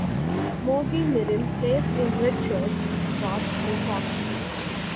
Mogi Mirim plays in red shirts, shorts and socks.